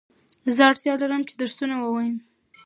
زه اړتیا لرم چي درسونه ووایم